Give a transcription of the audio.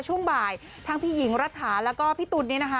ช่วงบ่ายทั้งพี่หญิงรัฐาแล้วก็พี่ตุ๋นเนี่ยนะคะ